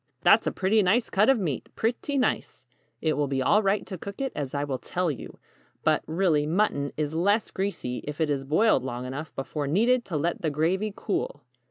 "That's a pretty nice cut of meat pretty nice. It will be all right to cook it as I will tell you. But, really, mutton is less greasy if it is boiled long enough before needed to let the gravy cool.